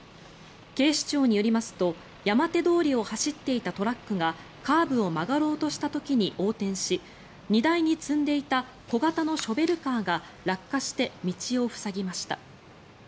警視庁によりますと山手通りを走っていたトラックがカーブを曲がろうとした時に横転し荷台に積んでいた小型のショベルカーが落下して道を塞ぎました。